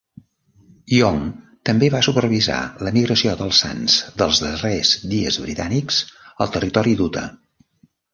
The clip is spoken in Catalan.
Young també va supervisar l'emigració dels Sants dels Darrers Dies britànics al territori d'Utah.